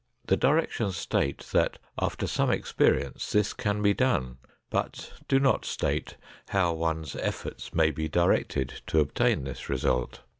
The directions state that after some experience this can be done, but do not state how one's efforts may be directed to obtain this result.